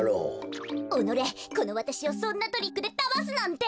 おのれこのわたしをそんなトリックでだますなんて！